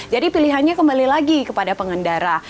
jadi pilihannya kembali lagi kepada pengendara